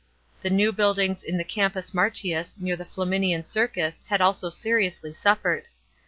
The new build ings in the Campus Martins near the Flarninian Circus had also seriously suffered.